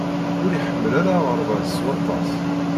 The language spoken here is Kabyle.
Ur iḥemmel ara aɣerbaz s waṭas.